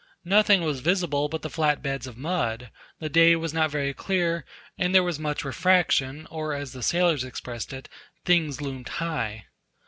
Nothing was visible but the flat beds of mud; the day was not very clear, and there was much refraction, or as the sailors expressed it, "things loomed high."